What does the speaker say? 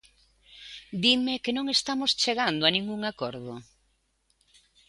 Dime que non estamos chegando a ningún acordo.